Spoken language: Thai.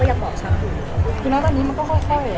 ก็อย่างผมชับทำอย่างมันจังก็ได้เห็น